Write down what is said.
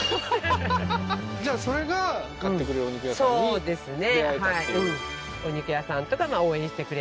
そうですね